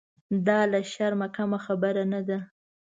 دا له شرمه کمه خبره نه ده.